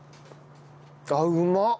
あっうまっ！